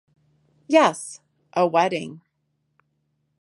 Yes, a wedding.